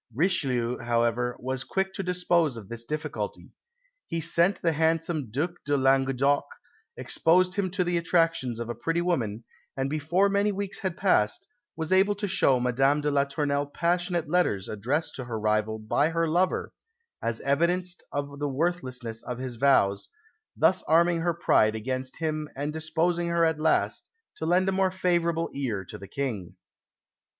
Richelieu, however, was quick to dispose of this difficulty. He sent the handsome Duc to Languedoc, exposed him to the attractions of a pretty woman, and before many weeks had passed, was able to show Madame de la Tournelle passionate letters addressed to her rival by her lover, as evidence of the worthlessness of his vows; thus arming her pride against him and disposing her at last to lend a more favourable ear to the King.